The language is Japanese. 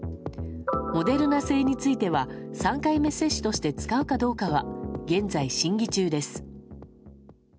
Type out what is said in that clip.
モデルナ製については３回目接種として使うかどうかは現在、審議中です。